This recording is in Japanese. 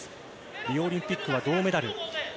リオオリンピックは銅メダル。